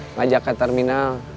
ngajak ke terminal